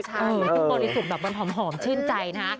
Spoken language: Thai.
ทุกคนรู้สึกแบบมันหอมชื่นใจนะ